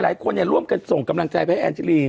หลายคนเนี่ยล่วมกันส่งกำลังใจไปแอตจิรีง